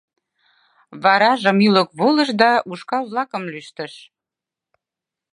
Варажым ӱлык волыш да ушкал-влакым лӱштыш.